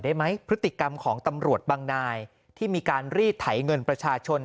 ไหมพฤติกรรมของตำรวจบางนายที่มีการรีดไถเงินประชาชน